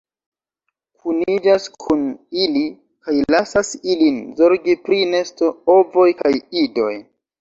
Kuniĝas kun ili kaj lasas ilin zorgi pri nesto, ovoj kaj idoj.